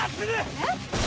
えっ？